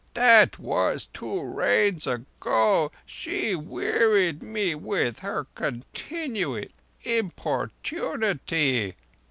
'" "That was two Rains ago; she wearied me with her continual importunity."